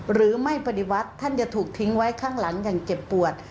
หรือไม่ปฏิวัติท่านจะถูกทิ้งไว้ข้างหลังอย่างเจ็บปวด